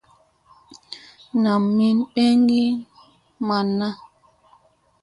Nam mi ɓegee man na.